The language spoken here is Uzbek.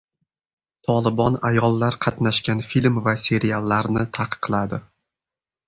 Tolibon ayollar qatnashgan film va seriallarni taqiqladi